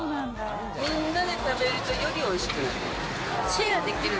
みんなで食べるとよりおいしくなる。